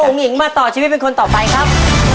เจอน้องอุ้งอิ๋งมาต่อชีวิตเป็นคนต่อไปครับ